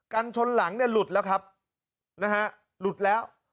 กันชนหลังเนี่ยหลุดแล้วครับนะฮะหลุดแล้ว